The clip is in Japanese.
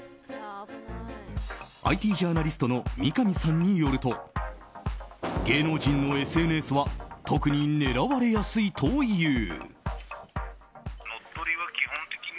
ＩＴジャーナリストの三上さんによると芸能人のＳＮＳは特に狙われやすいという。